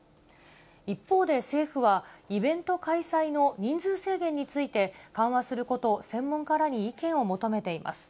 一方で政府は、イベント開催の人数制限について、緩和することを専門家らに意見を求めています。